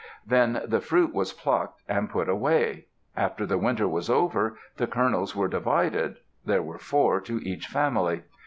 Then the fruit was plucked, and put away. After the winter was over, the kernels were divided. There were four to each family.